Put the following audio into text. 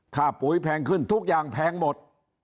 ปุ๋ยแพงขึ้นทุกอย่างแพงหมด